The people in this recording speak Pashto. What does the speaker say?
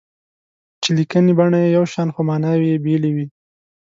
چې لیکني بڼه یې یو شان خو ماناوې یې بېلې وي.